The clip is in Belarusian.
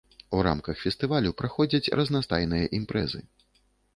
У рамках фестывалю праходзяць разнастайныя імпрэзы.